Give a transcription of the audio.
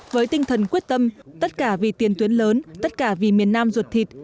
với tinh thần quyết tâm tất cả vì tiền tuyến lớn tất cả vì miền nam ruột thịt